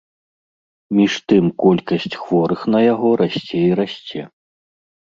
Між тым колькасць хворых на яго расце і расце.